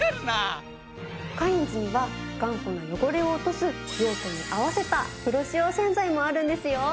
カインズには頑固な汚れを落とす用途に合わせたプロ仕様洗剤もあるんですよ。